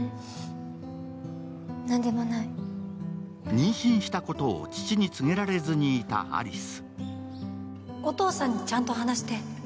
妊娠したことを父に告げられずにいた有栖。